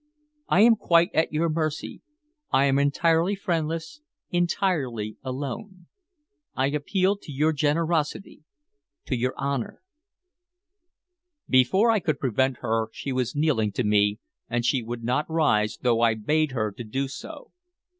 I am quite at your mercy. I am entirely friendless, entirely alone. I appeal to your generosity, to your honor" Before I could prevent her she was kneeling to me, and she would not rise, though I bade her do so.